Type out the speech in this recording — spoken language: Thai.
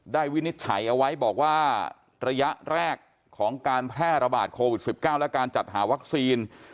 วินิจฉัยเอาไว้บอกว่าระยะแรกของการแพร่ระบาดโควิด๑๙และการจัดหาวัคซีน